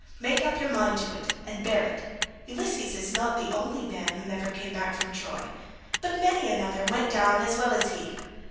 Make up your mind to it and bear it; Ulysses is not the only man who never came back from Troy, but many another went down as well as he.